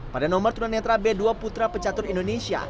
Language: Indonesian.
pada nomor tuna netra b dua putra pecatur indonesia